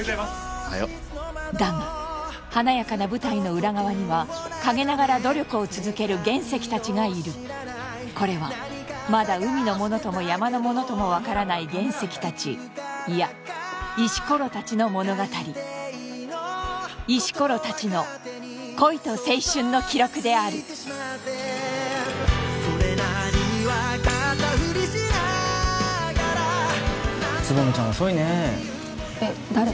おはよだが華やかな舞台の裏側には陰ながら努力を続ける原石達がいるこれはまだ海のものとも山のものとも分からない原石達いや石ころ達の物語石ころ達の恋と青春の記録である蕾未ちゃん遅いねえっ誰？